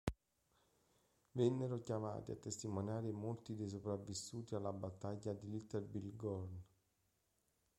Vennero chiamati a testimoniare molti dei sopravvissuti alla battaglia del Little Big Horn.